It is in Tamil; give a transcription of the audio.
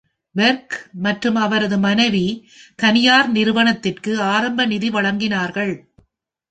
பெர்க் மற்றும் அவரது மனைவி தனியார் நிறுவனத்திற்கு ஆரம்ப நிதி வழங்கினார்கள்.